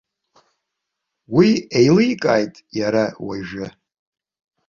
Уи еиликааит иара уажәы.